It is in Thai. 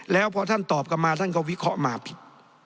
แล้วพอท่านตอบกลับมาท่านก็วิเคราะห์มาผิด